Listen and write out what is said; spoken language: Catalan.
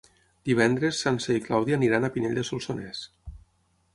Divendres na Sança i na Clàudia aniran a Pinell de Solsonès.